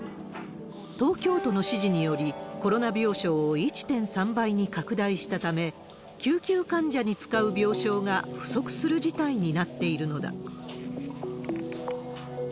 東京都の指示により、コロナ病床を１．３倍に拡大したため、救急患者に使う病床が不足する事態になっているのだ。